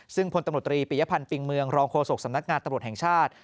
ซึ่งพลตำรวจตรีปิยพันธ์ปิงเมืองรองโฆษกสำนักงานตำรวจแห่งชาติ